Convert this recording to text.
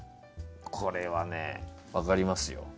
これはね分かりますよ。